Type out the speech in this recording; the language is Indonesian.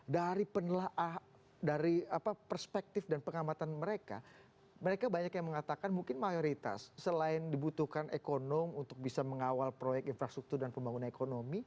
dari perspektif dan pengamatan mereka mereka banyak yang mengatakan mungkin mayoritas selain dibutuhkan ekonomi untuk bisa mengawal proyek infrastruktur dan pembangunan ekonomi